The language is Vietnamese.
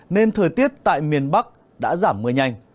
nên thời tiết tại miền bắc đã giảm mưa nhanh